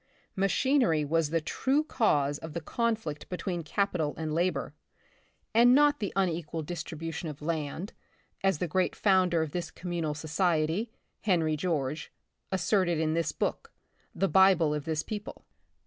Machinery was the true cause of the conflict between capital and labor, and not The Republic of the Future, 47 the unequal distribution of land, as the great founder of this Communal Society, Henry George, asserted in this book, the bible of this people.